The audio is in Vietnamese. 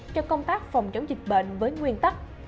cho công tác phòng chống dịch bệnh với nguyên tắc